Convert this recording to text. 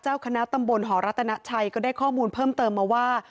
เจ้าคณะตำบลหอรัตนาชัยก็ได้ข้อมูลเพิ่มเติมมาว่า